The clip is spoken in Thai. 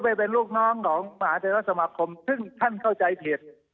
ไปเป็นลูกน้องของมหาเทราสมาคมซึ่งท่านเข้าใจผิด